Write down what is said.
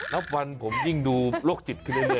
นับวันผมยิ่งดูโรคจิตขึ้นเรื่อย